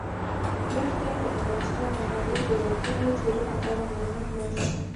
دا کتاب د افغانستان او نړۍ د وتلیو څېرو په اړه معلومات لري.